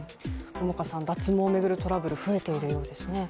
脱毛を巡るトラブル、増えているようですね。